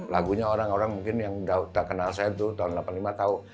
lagunya orang orang mungkin yang udah kenal saya tuh tahun delapan puluh lima tau